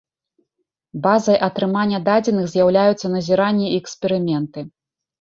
Базай атрымання дадзеных з'яўляюцца назіранні і эксперыменты.